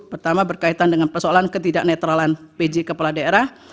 pertama berkaitan dengan persoalan ketidak netralan pj kepala daerah